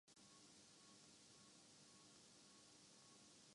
ایسی صورتحال دیر تک نہیں رہ سکتی۔